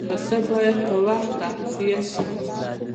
پسه باید په وخت تغذیه شي.